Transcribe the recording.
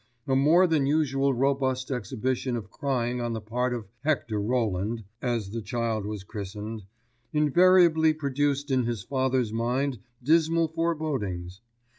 A more than usually robust exhibition of crying on the part of Hector Roland (as the child was christened) invariably produced in his father's mind dismal forebodings.